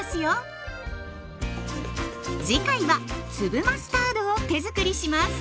次回は粒マスタードを手づくりします。